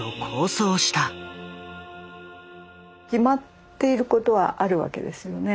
決まっていることはあるわけですよね。